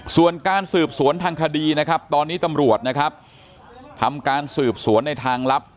ส่วนการสืบสวนทางคดีนะครับตอนนี้ตำรวจนะครับทำการสืบสวนในทางลับ